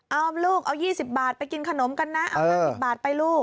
เอาลูกเอา๒๐บาทไปกินขนมกันนะเอา๕๐บาทไปลูก